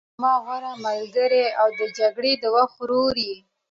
ته زما غوره ملګری او د جګړې د وخت ورور یې.